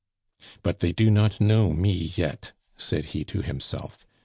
"But they do not know me yet," said he to himself.